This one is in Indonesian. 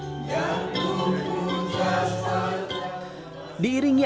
diiringi alat musik tradisional mtt